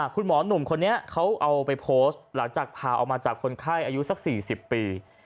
คุณหมอหนุ่มคนนี้เขาเอาไปโพสต์หลังจากพาออกมาจากคนไข้อายุสัก๔๐ปี